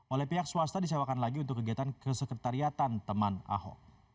oleh pihak swasta disewakan lagi untuk kegiatan kesekretariatan teman ahok